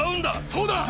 そうだ！